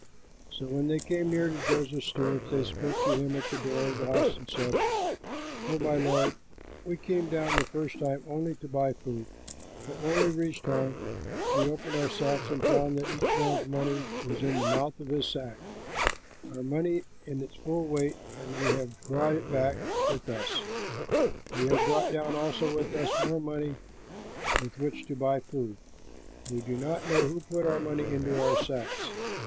So when they came near to Joseph's steward, they spoke to him at the door of the house and said, "Oh, my lord, we came down the first time only to buy food; but when we reached home, we opened our sacks and found that each man's money was in the mouth of his sack, our money in its full weight; and we have brought it back with us. We have brought down with us more money with which to buy food. We do not know who put our money into our sacks."